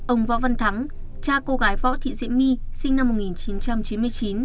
ông võ văn thắng cha cô gái võ thị diễm my sinh năm một nghìn chín trăm chín mươi chín